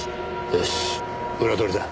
よし裏取りだ。